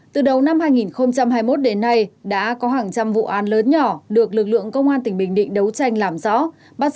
từ đầu năm hai nghìn hai mươi một đến nay đã có hàng trăm vụ an lớn nhỏ được lực lượng công an tỉnh bình định đấu tranh làm rõ bắt giữ đối tượng phạm tội và thu hút tài sản